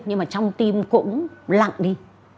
nhưng mà trong tim cũng lặng đi